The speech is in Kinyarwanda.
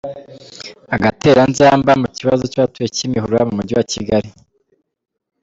Agatereranzamba mu kibazo cy’abatuye Kimihurura mumujyi wa Kigali